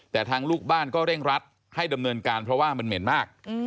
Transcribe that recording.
แต่ทางลูกบ้านก็เร่งรัดให้ดำเนินการเพราะว่ามันเหม็นมาก